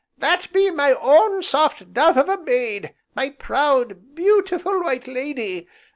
"That be my own soft dove of a maid, my proud, beautiful, white lady!